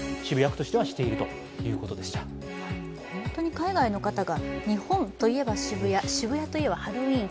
海外の方が日本といえば渋谷渋谷といえばハロウィーン